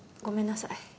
ごめんなさい。